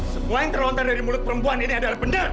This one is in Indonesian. semua yang terlontar dari mulut perempuan ini adalah benda